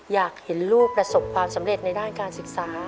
อยากเห็นลูกประสบความสำเร็จในด้านการศึกษา